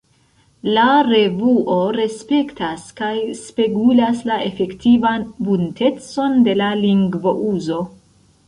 La revuo respektas kaj spegulas la efektivan buntecon de la lingvouzo.